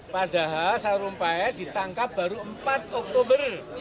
padahal sarumpait ditangkap baru empat oktober